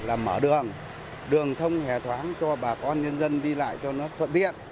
là mở đường đường thông hề thoáng cho bà con nhân dân đi lại cho nó thuận điện